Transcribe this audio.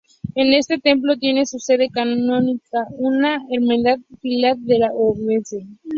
En este templo tiene su sede canónica una hermandad filial de la onubense.